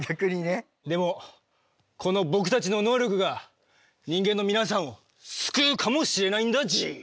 でもこの僕たちの能力が人間の皆さんを救うかもしれないんだＧ。